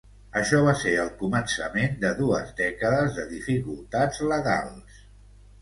Això va ser el començament de dues dècades de dificultats legals.